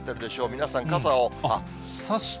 皆さん、傘を。